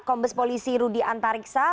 kombes polisi rudi antariksa